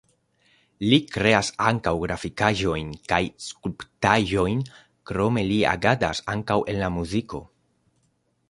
Li kreas ankaŭ grafikaĵojn kaj skulptaĵojn, krome li agadas ankaŭ en la muziko.